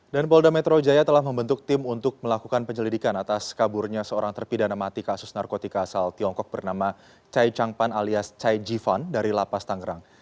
dan polda metro jaya telah membentuk tim untuk melakukan penyelidikan atas kaburnya seorang terpidana mati kasus narkotika asal tiongkok bernama chai chang pan alias chai ji fan dari lapas tangerang